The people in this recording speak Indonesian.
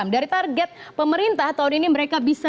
dari target pemerintah tahun ini mereka bisa